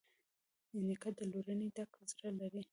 نیکه د لورینې ډک زړه لري.